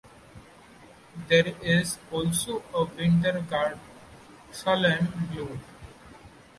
There is also a winterguard, "Salem Blue".